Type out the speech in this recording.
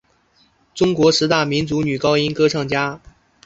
中国十大民族女高音歌唱家。